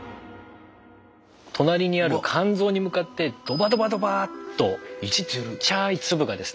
隣にある肝臓に向かってドバドバドバッとちっちゃい粒がですね